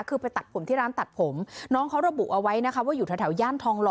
คือไปตัดผมที่ร้านตัดผมน้องเขาระบุเอาไว้นะคะว่าอยู่แถวย่านทองหล